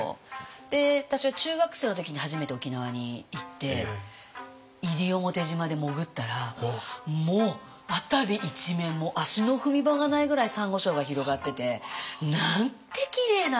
で私は中学生の時に初めて沖縄に行って西表島で潜ったらもう辺り一面足の踏み場がないぐらいサンゴ礁が広がっててなんてきれいなんだろう。